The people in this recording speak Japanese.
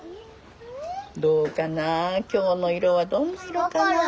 どうかな今日の色はどんな色かな？